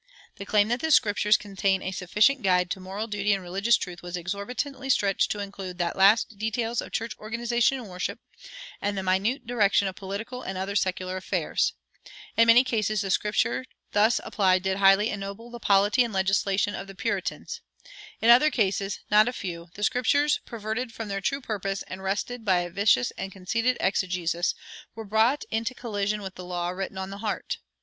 The claim that the Scriptures contain a sufficient guide to moral duty and religious truth was exorbitantly stretched to include the last details of church organization and worship, and the minute direction of political and other secular affairs. In many a case the Scriptures thus applied did highly ennoble the polity and legislation of the Puritans.[113:1] In other cases, not a few, the Scriptures, perverted from their true purpose and wrested by a vicious and conceited exegesis, were brought into collision with the law written on the heart.